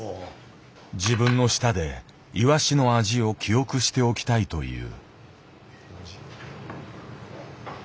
自分の舌でイワシの味を記憶しておきたいという。